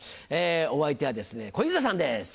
お相手はですね小遊三さんです！